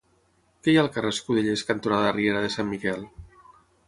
Què hi ha al carrer Escudellers cantonada Riera de Sant Miquel?